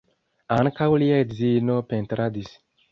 Ankaŭ lia edzino pentradis.